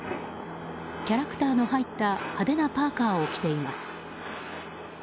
キャラクターの入った派手なパーカを着ています。